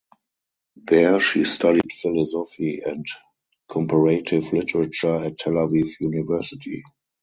There she studied philosophy and comparative literature at Tel Aviv University.